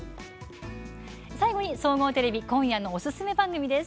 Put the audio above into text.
最後に総合テレビ今夜のおすすめ番組です。